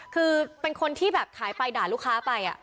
คือเป็นคนที่แบบขายไปด่าลูกค้าไป